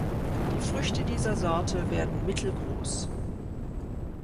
Die Früchte dieser Sorte werden mittelgroß.